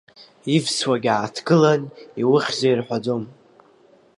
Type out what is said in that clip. Ивсуагь ааҭгылан иухьзеи рҳәаӡом.